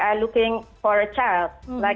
karena mungkin mereka mencari anak